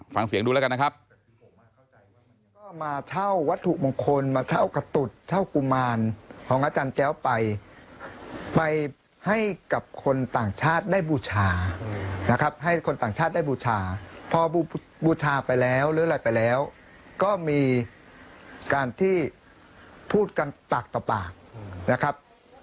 ฟังเสียงดูแล้วกันนะครับ